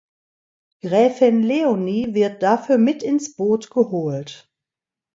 Gräfin Leonie wird dafür mit ins Boot geholt.